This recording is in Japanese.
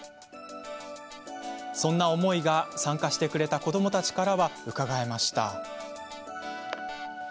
そんな思いが、参加してくれた子どもたちからはうかがえました。